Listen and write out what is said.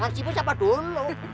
nasi pun siapa dulu